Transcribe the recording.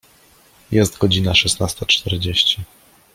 Jest godzina szesnasta czterdzieści.